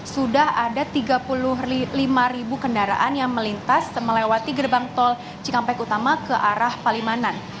sudah ada tiga puluh lima ribu kendaraan yang melintas melewati gerbang tol cikampek utama ke arah palimanan